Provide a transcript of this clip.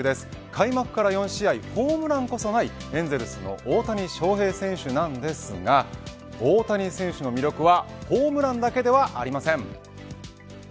開幕から４試合ホームランこそないエンゼルスの大谷翔平選手なんですが大谷選手の魅力はホームランだけではありません。